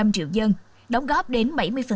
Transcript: một trăm linh triệu dân đóng góp đến bảy mươi